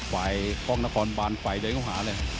กล้องนครบานไฟเดินเข้าหาเลย